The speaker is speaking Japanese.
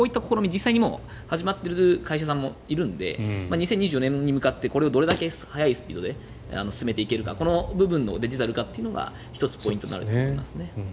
実際に始まっている会社さんもいるので２０２４年問題に向かってこれをどれだけ速いスピードで進められるかその部分をデジタル化できるかが１つポイントになると思います。